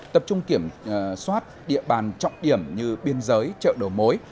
tập trung kiểm soát địa bàn trọng điểm như biên giới chợ đồ mối